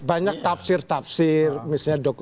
banyak tafsir tafsir misalnya